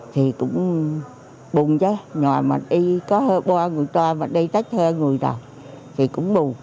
thì cũng buồn chứ mà y có hơn ba người trôi mà đây cách hơn đầy thì cũng buồn